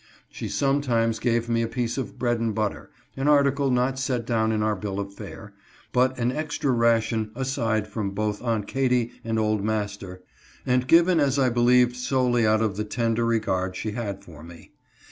She sometimes (83) 84 AUNT KATY. gave me a piece of bread and butter, an article not set down in our bill of fare, but an extra ration aside from both Aunt Katy and old master, and given as I believed solely out of the tender regard she had for me.